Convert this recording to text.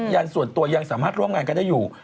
ยันส่วนตัวยังสามารถร่วมงานกันได้อยู่